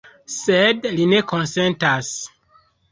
Sed li ne konsentas.